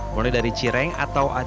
mulai dari cireng atau aci jajanan